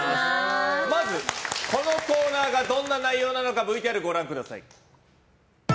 まず、このコーナーがどんな内容なのかＶＴＲ、ご覧ください。